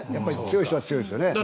強い人は強いですよね。